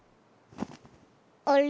あれ？